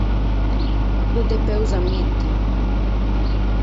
Lu depimus amìtere.